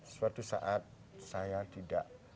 suatu saat saya tidak